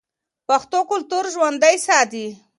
پښتو کلتور ژوندی ساتي.